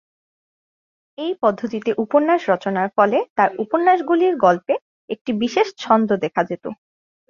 এই পদ্ধতিতে উপন্যাস রচনার ফলে তার উপন্যাসগুলির গল্পে একটি বিশেষ ছন্দ দেখা যেত।